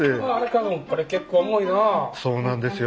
そうなんですよ。